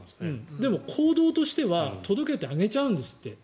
でも、行動としては届けてあげちゃうんですって。